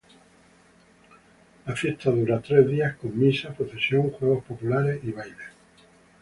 La fiesta dura tres días con misa, procesión, juegos populares y bailes.